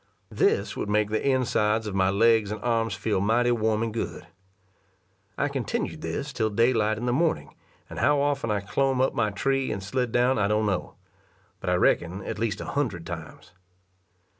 This would make the insides of my legs and arms feel mighty warm and good. I continued this till daylight in the morning, and how often I clomb up my tree and slid down I don't know, but I reckon at least a hundred times.